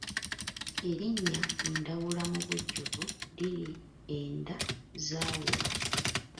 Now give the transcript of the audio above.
Erinnya Ndawula mu bujjuvu liri Enda zaawula.